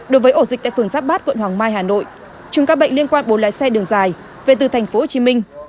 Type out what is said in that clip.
đối với ổ dịch tại phường giáp bát quận hoàng mai hà nội chúng các bệnh liên quan bốn lái xe đường dài về từ thành phố hồ chí minh